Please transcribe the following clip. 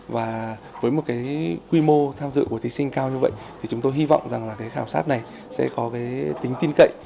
và với một quy mô tham dự của thí sinh cao như vậy thì chúng tôi hy vọng rằng khảo sát này sẽ có tính tin cậy